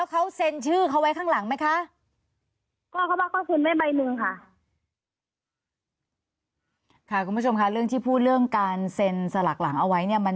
คุณผู้ชมค่ะเรื่องที่พูดเรื่องการเซ็นสลักหลังเอาไว้เนี่ยมัน